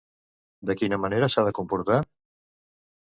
De quina manera s'ha de comportar?